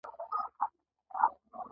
دوی یفتلیان په منځ کې ونیول